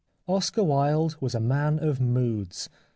Oscar Wilde was a man of moods.